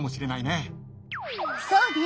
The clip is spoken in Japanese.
そうね！